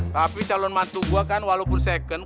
tapi calon mantu gua kan walaupun second